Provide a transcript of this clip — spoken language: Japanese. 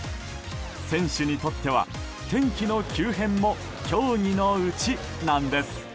選手にとっては天気の急変も競技のうちなんです。